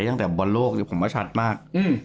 ตั้งแต่บอลโลกผมว่าชัดมาก